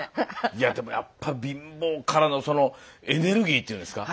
いやでもやっぱ貧乏からのそのエネルギーっていうんですか。